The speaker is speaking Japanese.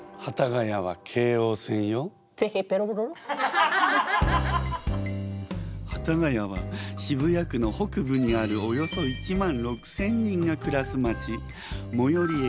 幡ヶ谷は渋谷区の北部にあるおよそ１万６，０００人が暮らす町。